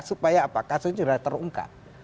supaya apakah kasusnya sudah terungkap